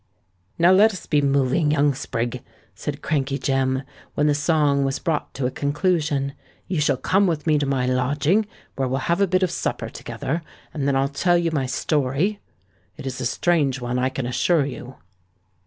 "Now let us be moving, young sprig," said Crankey Jem, when the song was brought to a conclusion. "You shall come with me to my lodging, where we'll have a bit of supper together; and then I'll tell you my story. It is a strange one, I can assure you."